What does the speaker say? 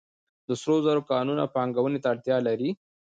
د سرو زرو کانونه پانګونې ته اړتیا لري